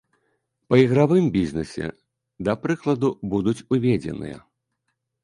Па ігравым бізнесе, да прыкладу, будуць уведзеныя.